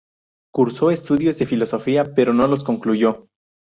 Curso estudios de filosofía, pero no los concluyó.